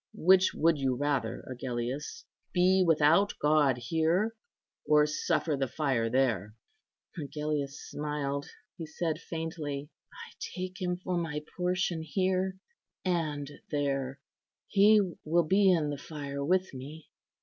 "Which would you rather, Agellius, be without God here, or suffer the fire there?" Agellius smiled; he said faintly, "I take Him for my portion here and there: He will be in the fire with me."